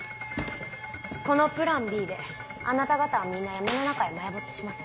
このプランＢであなた方はみんな闇の中へ埋没します。